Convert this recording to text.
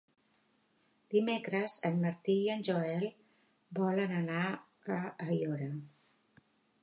Dimecres en Martí i en Joel volen anar a Aiora.